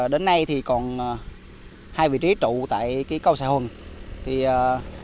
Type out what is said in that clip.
đến nay còn hai vị trí trụ tại câu xã hùng